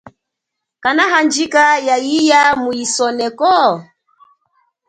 Kanahandjika ya iya mu isoneko?